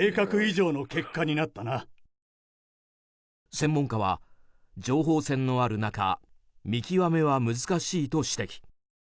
専門家は情報戦のある中見極めは難しいと指摘。